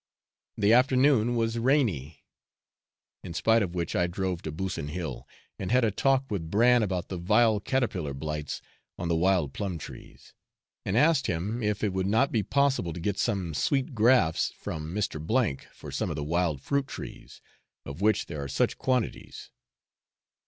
The afternoon was rainy, in spite of which I drove to Busson Hill, and had a talk with Bran about the vile caterpillar blights on the wild plum trees, and asked him if it would not be possible to get some sweet grafts from Mr. C for some of the wild fruit trees, of which there are such quantities.